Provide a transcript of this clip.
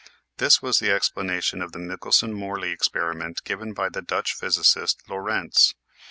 This was the explana tion of the Michelson Morley experiment given by the Dutch physicist, Lorentz.